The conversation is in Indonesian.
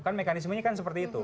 kan mekanismenya kan seperti itu